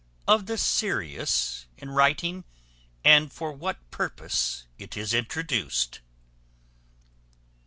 Of the SERIOUS in writing, and for what purpose it is introduced.